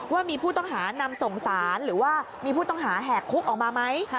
ว่ามีผู้ต้องหานำส่งสารหรือว่ามีผู้ต้องหาแหกคุกออกมาไหม